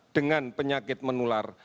dengan penyakit menular